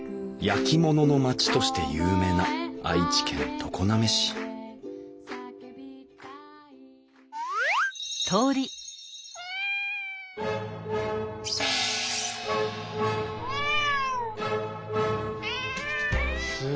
焼き物の町として有名な愛知県常滑市すごい。